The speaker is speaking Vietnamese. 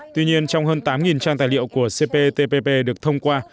tuy nhiên trong hơn tám trang tài liệu của cptpp được thông qua